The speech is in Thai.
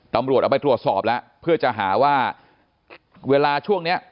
ตำรวจเอาไปตรวจสอบแล้วเพื่อจะหาว่าเวลาช่วงเนี้ย